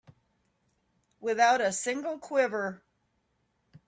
Without a single quiver.